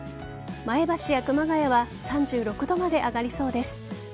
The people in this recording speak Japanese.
前橋や熊谷は３６度まで上がりそうです。